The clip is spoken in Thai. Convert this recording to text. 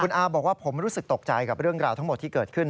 อาบอกว่าผมรู้สึกตกใจกับเรื่องราวทั้งหมดที่เกิดขึ้น